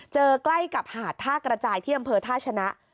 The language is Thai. เจอกล้ายกับหาดธาตุกระจายที่อำเภอธาชนะ